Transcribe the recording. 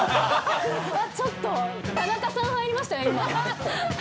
ちょっと、田中さん入りましたよ、今。